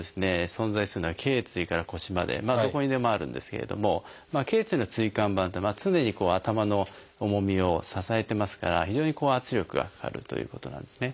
存在するのは頚椎から腰までどこにでもあるんですけれども頚椎の椎間板って常に頭の重みを支えてますから非常に圧力がかかるということなんですね。